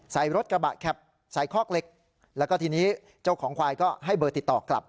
ใส่รถกระบะแคปใส่คอกเหล็กแล้วก็ทีนี้เจ้าของควายก็ให้เบอร์ติดต่อกลับ